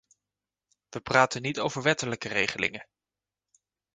We praten niet over wettelijke regelingen.